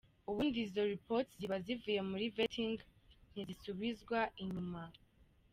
Ubundi izo reports ziba zivuye muri Vetting ntizisubizwa inyuma.